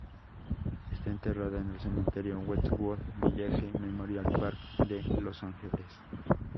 Está enterrada en el Cementerio Westwood Village Memorial Park de Los Ángeles.